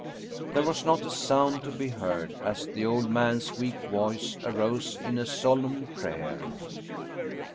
There was not a sound to be heard as the old man's weak voice arose in a solemn prayer.